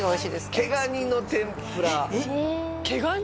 毛ガニの天ぷら毛ガニ？